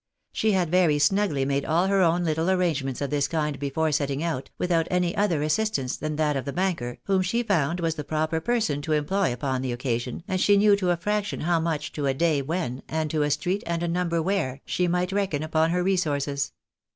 She had very snugly made all her own little arrangements of this kind before setting out, without any other assistance than that of the banker, whom she found was the proper person to employ upon the occasion, and she knew to a fraction how much, to a day when, and to a street and a number SCEPTICISM OF TITK MISS rERKINSES. 20S where, she might reckon upon her resources.